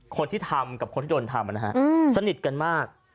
คนที่ทำกับคนที่โดนทำนะฮะสนิทกันมาก